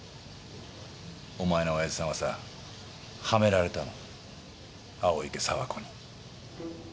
お前のおやじさんはさはめられたの青池早和子に。